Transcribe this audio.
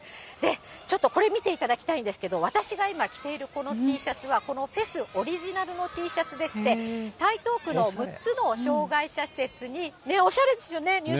ちょっとこれ見ていただきたいんですけれども、私が今着ているこのＴシャツは、このフェスオリジナルのＴシャツでして、台東区の６つの障害施設に、おしゃれですよね。